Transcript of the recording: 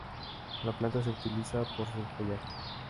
La planta se utiliza por su follaje.